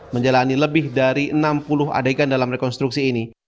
menjalani lebih dari enam puluh adegan dalam rekonstruksi ini